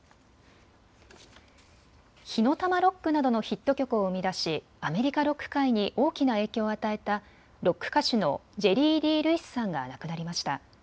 火の玉ロックなどのヒット曲を生み出しアメリカ・ロック界に大きな影響を与えたロック歌手のジェリー・リー・ルイスさんが亡くなりました。